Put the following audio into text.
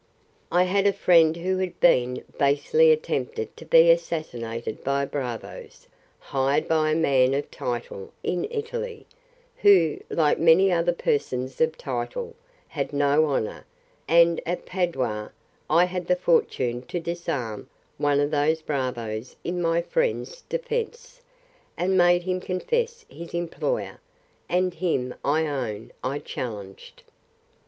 I had a friend, who had been basely attempted to be assassinated by bravoes, hired by a man of title in Italy, who, like many other persons of title, had no honour; and, at Padua, I had the fortune to disarm one of these bravoes in my friend's defence, and made him confess his employer; and him, I own, I challenged.